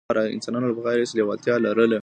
انسانانو له پخوا راهیسې لېوالتیا لرله.